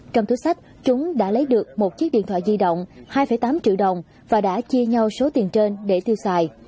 trong túi sách chúng đã lấy được một chiếc điện thoại di động hai tám triệu đồng và đã chia nhau số tiền trên để tiêu xài